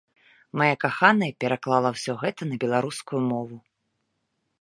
Мая каханая пераклала ўсё гэта на беларускую мову.